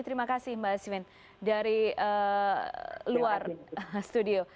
terima kasih mbak asvin dari luar studio